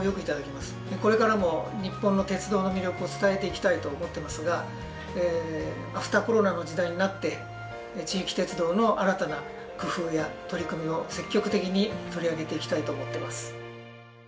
これからも日本の鉄道の魅力を伝えていきたいと思ってますがアフターコロナの時代になって地域鉄道の新たな工夫や取り組みを積極的に取り上げていきたいと思ってます。